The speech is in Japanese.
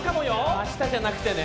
明日じゃなくてね。